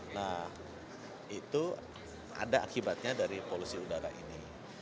nah itu ada akibatnya dari polusi udara ini